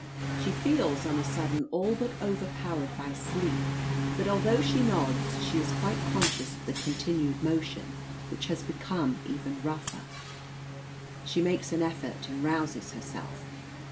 She feels on a sudden all but overpowered by sleep; but although she nods, she is quite conscious of the continued motion, which has become even rougher. She makes an effort, and rouses herself.